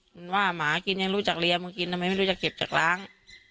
มันว่าหมากินยังรู้จักเรียมึงกินทำไมไม่รู้จะเก็บจากล้าง